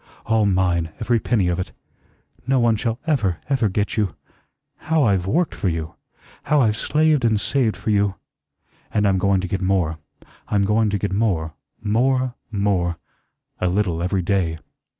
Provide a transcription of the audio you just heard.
All mine, every penny of it. No one shall ever, ever get you. How I've worked for you! How I've slaved and saved for you! And I'm going to get more; I'm going to get more, more, more; a little every day."